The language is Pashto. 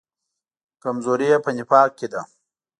کمزوري یې په نفاق کې ده.